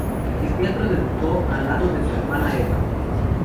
En teatro debutó al lado de su hermana Eva.